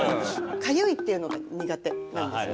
かゆいっていうのが苦手なんですね。